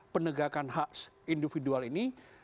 penegakan hak individual ini